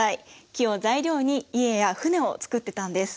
木を材料に家や船を作ってたんです。